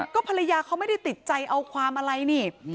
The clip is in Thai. ก็ภรรยาเขาไม่ได้ติดใจเอาความอะไรนี่